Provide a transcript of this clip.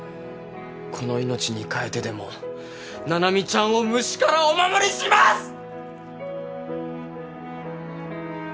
この命に代えてでも七海ちゃんを虫からお守りします！